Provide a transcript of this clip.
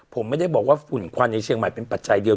ผมไม่ได้บอกว่าฝุ่นควันในเชียงใหม่เป็นปัจจัยเดียว